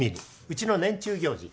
うちの年中行事。